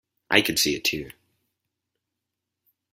I could see it too.